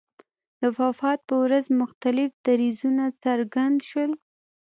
د وفات په ورځ مختلف دریځونه څرګند شول.